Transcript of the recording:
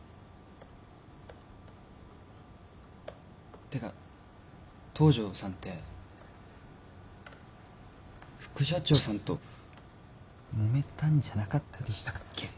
ってか東城さんって副社長さんともめたんじゃなかったでしたっけ？